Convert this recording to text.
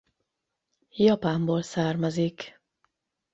Japánból származik.